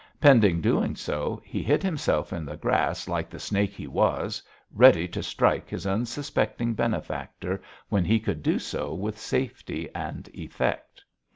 Pending doing so, he hid himself in the grass like the snake he was, ready to strike his unsuspecting benefactor when he could do so with safety and effect.